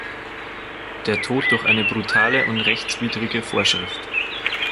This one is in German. Der Tod durch eine brutale und rechtswidrige Vorschrift.